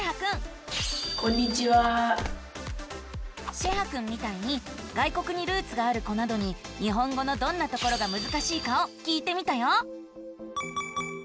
シェハくんみたいに外国にルーツがある子などに日本語のどんなところがむずかしいかを聞いてみたよ。